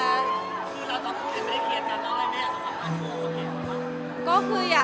คือเราต้องพูดเป็นบริเวณกันแล้วแน่สำหรับภาษาโมงค์โอเคหรือเปล่า